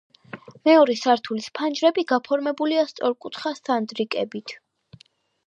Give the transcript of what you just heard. მეორე სართულის ფანჯრები გაფორმებულია სწორკუთხა სანდრიკებით.